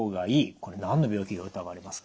これ何の病気が疑われますか？